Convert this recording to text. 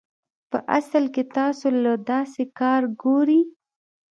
پۀ اصل کښې تاسو له داسې کار ګوري